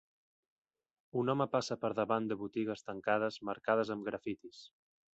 Un home passa per davant de botigues tancades marcades amb grafitis.